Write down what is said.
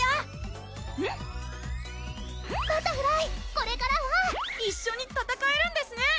これからは一緒に戦えるんですね！